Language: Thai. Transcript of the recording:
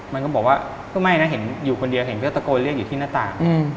มันก็บอกว่าก็ไม่นะเห็นอยู่คนเดียวเห็นก็ตะโกนเรียกอยู่ที่หน้าต่าง